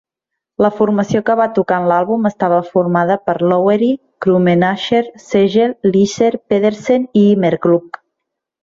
La formació que va tocar en l'àlbum estava formada per Lowery, Krummenacher, Segel, Lisher, Pedersen i Immergluck.